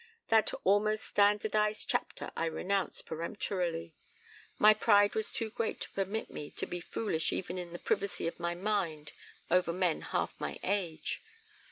"That almost standardized chapter I renounced peremptorily. My pride was too great to permit me to be foolish even in the privacy of my mind over men half my age.